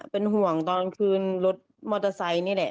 เป็นห่วงตอนคืนรถมอเตอร์ไซค์นี่แหละ